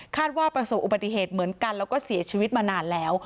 ว่าประสบอุบัติเหตุเหมือนกันแล้วก็เสียชีวิตมานานแล้ว